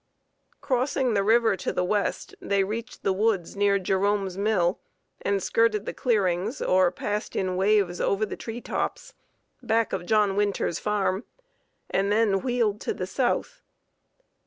Crossing the river to the west they reached the woods near Jerome's mill and skirted the clearings or passed in waves over the tree tops, back of John Winter's farm, and then wheeled to the south.